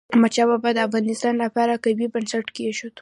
احمد شاه بابا د افغانستان لپاره قوي بنسټ کېښود.